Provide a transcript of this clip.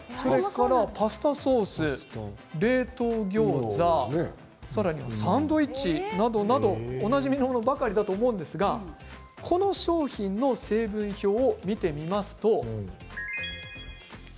パスタソース、冷凍ギョーザさらには、サンドイッチなどなどおなじみのものばかりだと思いますがこの商品の成分表を見てみます。